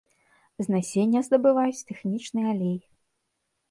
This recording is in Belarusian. З насення здабываюць тэхнічны алей.